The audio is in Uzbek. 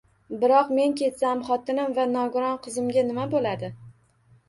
Biroq men ketsam, xotinim va nogiron qizimga nima bo`ladi